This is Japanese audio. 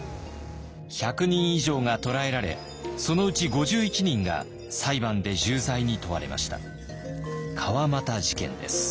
１００人以上が捕らえられそのうち５１人が裁判で重罪に問われました。